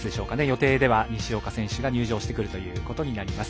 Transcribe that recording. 予定では、西岡選手が入場してくるということになります。